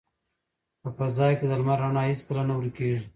په فضا کې د لمر رڼا هیڅکله نه ورکیږي.